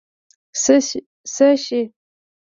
څه څښې؟